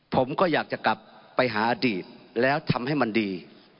ผมก็อยากจะกลับไปหาอดีตแล้วทำให้มันดี